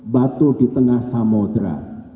batu di tengah samudera